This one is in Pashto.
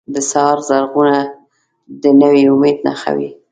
د سهار ږغونه د نوي امید نښه وي.